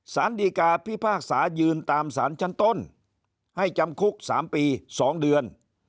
สารดีกาพิพากษายืนตามสารชั้นต้นให้จำคุก๓ปี๒เดือน